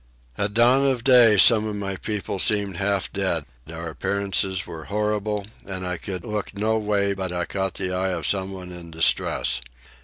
At dawn of day some of my people seemed half dead: our appearances were horrible, and I could look no way but I caught the eye of someone in distress.